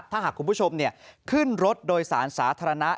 ถ้าหากคุณผู้ชมขึ้นรถโดยสารสาธารณะ